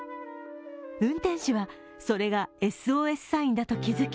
運転手は、それがＳＯＳサインだと気付き